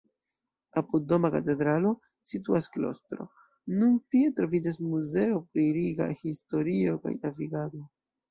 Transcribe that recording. Apud Doma Katedralo situas klostro, nun tie troviĝas Muzeo pri Riga historio kaj navigado.